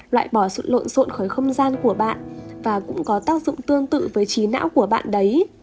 loại bỏ sự lộn xộn khỏi không gian của bạn và cũng có tác dụng tương tự với trí não của bạn đấy